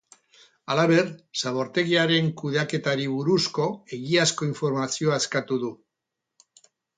Halaber, zabortegiaren kudeaketari buruzko egiazko informazioa eskatu du.